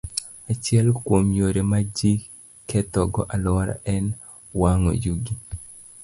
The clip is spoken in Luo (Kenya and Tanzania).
Achiel kuom yore ma ji kethogo alwora en wang'o yugi.